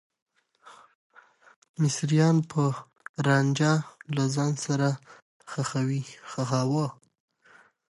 مصريان به رانجه له ځان سره ښخاوه.